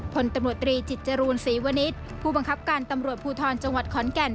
พลตำรวจตรีจิตจรูลศรีวนิษฐ์ผู้บังคับการตำรวจภูทรจังหวัดขอนแก่น